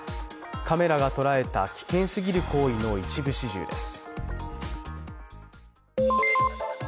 カメラがとらえた危険すぎる行為の一部始終です。